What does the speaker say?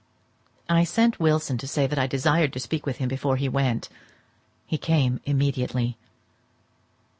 I sent Wilson to say that I desired to speak with him before he went; he came immediately.